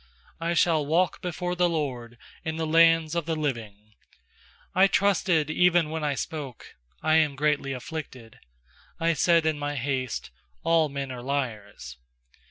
9I shall walk before the LORD In the lands of the living. 10I trusted even when I spoke: 'I am greatly afflicted.' UI said in my haste: 'All men are liars.'